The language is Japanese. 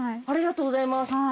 ありがとうございます。